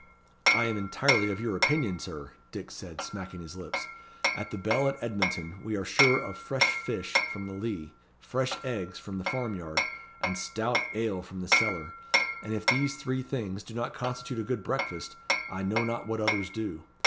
"I am entirely of your opinion, Sir," Dick said, smacking his lips. "At the Bell at Edmonton we are sure of fresh fish from the Lea, fresh eggs from the farm yard, and stout ale from the cellar; and if these three things do not constitute a good breakfast, I know not what others do.